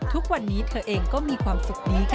ทุกวันนี้เธอเองก็มีความสุขดีค่ะ